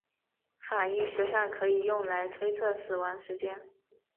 法医学上可以用来推测死亡时间。